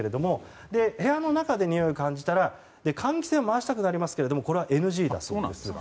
部屋の中でにおいを感じたら換気扇を回したくなるんですがこれはＮＧだそうです。